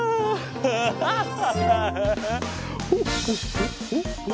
ハハハハハ。